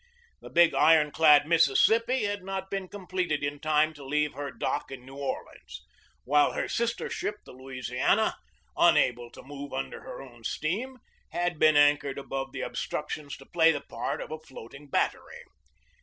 The big iron clad Mississippi had not been completed in time to leave her dock in New Orleans, while her sister ship, the Louisiana, unable to move under her own steam, had been anchored above the obstructions to play the part of a floating battery.